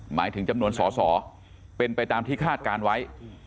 หมายถึงจำนวนสอสอเป็นไปตามที่คาดการณ์ไว้